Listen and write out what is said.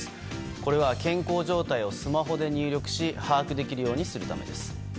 これは健康状態をスマホで入力し把握できるようにするためです。